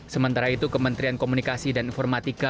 sementara itu kementerian komunikasi dan informatika